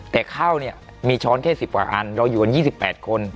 แต่ข้าวเนี่ยมีช้อนแค่๑๐กว่าอันเราอยู่กัน๒๘คน